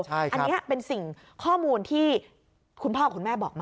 อันนี้เป็นสิ่งข้อมูลที่คุณพ่อกับคุณแม่บอกมา